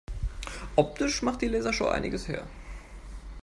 Optisch macht die Lasershow einiges her.